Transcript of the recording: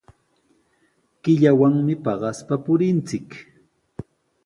Killawanmi paqaspa purinchik.